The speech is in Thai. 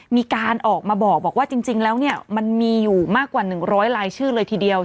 มีการออกมาบอกว่าจริงแล้วเนี่ยมันมีอยู่มากกว่า๑๐๐ลายชื่อเลยทีเดียว